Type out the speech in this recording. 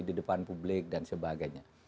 di depan publik dan sebagainya